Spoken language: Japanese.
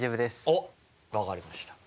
おっ分かりました。